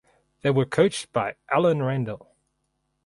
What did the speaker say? They were coached by Ellen Randall.